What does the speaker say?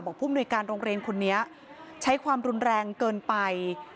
ผู้มนุยการโรงเรียนคนนี้ใช้ความรุนแรงเกินไป